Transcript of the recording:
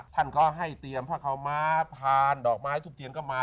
ท่านก็ให้เตรียมเพราะเขามาพานดอกไม้ทุบเทียนก็มา